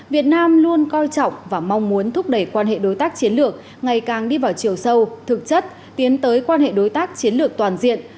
việt nam luôn coi trọng và mong muốn thúc đẩy quan hệ đối tác chiến lược ngày càng đi vào chiều sâu thực chất tiến tới quan hệ đối tác chiến lược toàn diện